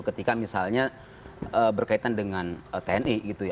ketika misalnya berkaitan dengan tni gitu ya